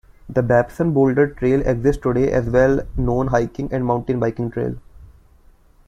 The Babson Boulder Trail exists today as a well-known hiking and mountain-biking trail.